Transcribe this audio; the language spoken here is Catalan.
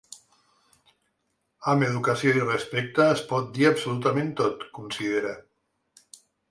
Amb educació i respecte es pot dir absolutament tot, considera.